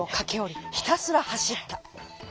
ひたすらはしった。